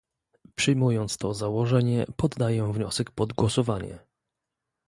Przyjmując to założenie, poddaję wniosek pod głosowanie